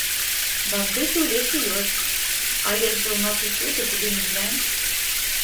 Бандыты ў лесе ёсць, а лес жа ў нас усюды, куды ні глянь.